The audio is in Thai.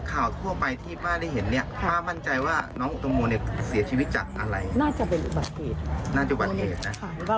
น่าจะเป็นอุบัติเหตุน่าจะอุบัติเหตุนะค่ะ